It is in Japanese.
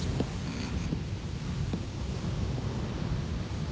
うん。